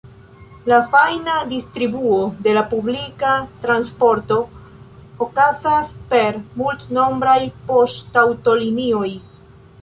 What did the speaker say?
La fajna distribuo de la publika transporto okazas per multnombraj poŝtaŭtolinioj.